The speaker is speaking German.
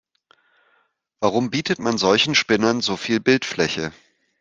Warum bietet man solchen Spinnern so viel Bildfläche?